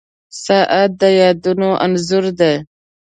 • ساعت د یادونو انځور دی.